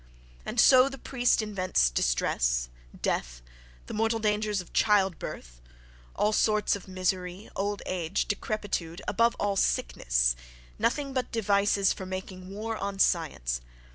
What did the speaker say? —And so the priest invents distress, death, the mortal dangers of childbirth, all sorts of misery, old age, decrepitude, above all, sickness—nothing but devices for making war on science!